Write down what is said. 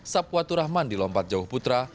sapuatu rahman di lompat jauh putra